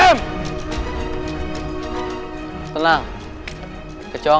kamu berdua keren